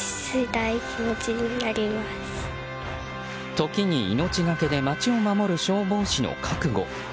時に命がけで街を守る消防士の覚悟。